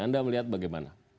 anda melihat bagaimana